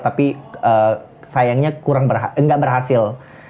tapi sayangnya gak berhasil